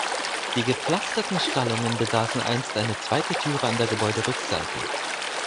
Die gepflasterten Stallungen besaßen einst eine zweite Türe an der Gebäuderückseite.